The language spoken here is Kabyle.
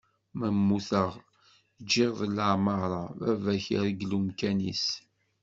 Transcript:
Ma mmuteγ ǧiγ-d leɛmara, baba-k irgel umkan-is.